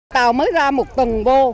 tàu mới ra một tuần vô